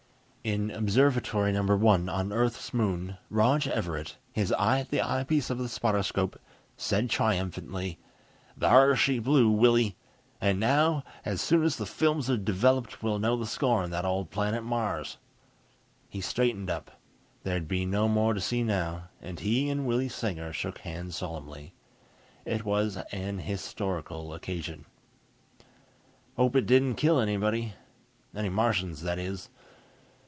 In Observatory No. 1 on Earth's moon, Rog Everett, his eye at the eyepiece of the spotter scope, said triumphantly, "Thar she blew, Willie. And now, as soon as the films are developed, we'll know the score on that old planet Mars." He straightened up there'd be no more to see now and he and Willie Sanger shook hands solemnly. It was an historical occasion. "Hope it didn't kill anybody. Any Martians, that is.